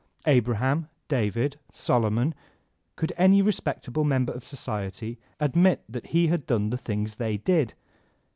Abraham, David, Solomon,— could any respect* able member of society admit that he had done the things they did?